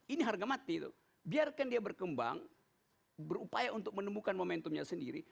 ini harga mati itu biarkan dia berkembang berupaya untuk menemukan momentumnya sendiri